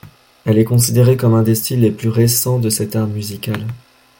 Elle est considérée comme un des styles les plus récents de cet art musical.